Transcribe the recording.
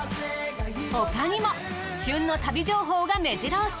他にも旬の旅情報がめじろ押し。